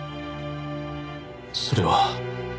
それは。